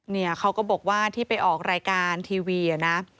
เนี่ยเขาก็บอกว่าที่ไปออกรายการทีวีนะ